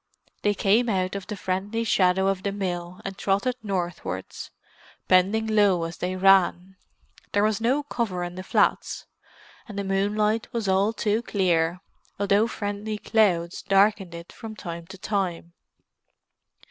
They came out of the friendly shadow of the mill and trotted northwards, bending low as they ran; there was no cover on the flats, and the moonlight was all too clear, although friendly clouds darkened it from time to time.